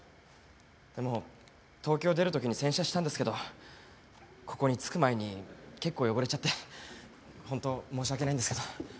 でも東京を出る時に洗車したんですけどここに着く前に結構汚れちゃってホント申し訳ないんですけど。